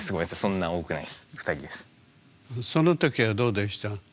その時はどうでした？